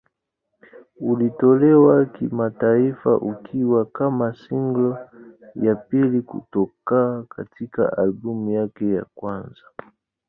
Ulitolewa kimataifa ukiwa kama single ya pili kutoka katika albamu yake ya kwanza.